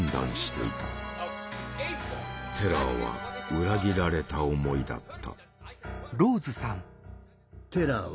テラーは裏切られた思いだった。